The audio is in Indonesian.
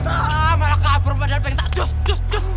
ah malah kabur badan pengen tak joss joss joss